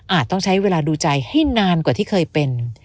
ต้องใช้เวลาดูใจให้นานกว่าที่เคยเป็น